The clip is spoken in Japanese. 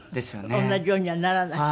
同じようにはならない？